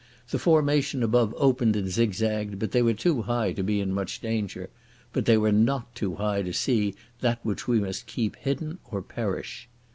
The formation above opened and zigzagged, but they were too high to be in much danger. But they were not too high to see that which we must keep hidden or perish.